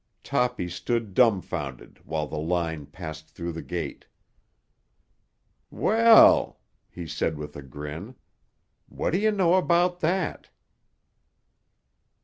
'" Toppy stood dumfounded while the line passed through the gate. "Well," he said with a grin, "what do you know about that?"